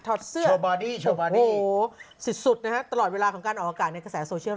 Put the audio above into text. ถอดเสื้อโอ้โหสิดสุดนะฮะตลอดเวลาของการออกอากาศในกระแสโซเชียร์